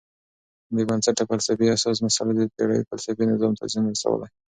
بېبنسټه فلسفي اساسي مسئله د پېړیو فلسفي نظام ته زیان رسولی.